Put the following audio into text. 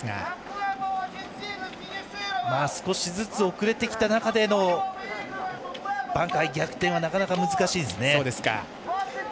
少しずつ遅れてきた中での挽回、逆転はなかなか難しいですね。